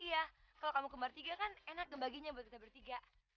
iya kalau kamu kembar tiga kan enak ngebaginya buat kita bertiga